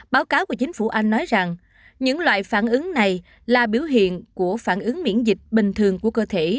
báo cáo của chính phủ anh nói rằng những loại phản ứng này là biểu hiện của phản ứng miễn dịch bình thường của cơ thể